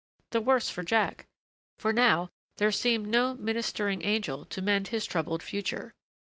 The worse for Jack. For now there seemed no ministering angel to mend his troubled future.